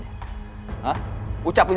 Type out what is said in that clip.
siapa lagi sih